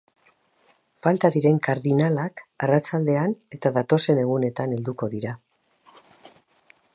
Falta diren kardinalak arratsaldean eta datozen egunetan helduko dira.